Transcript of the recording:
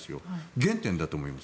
原点だと思います。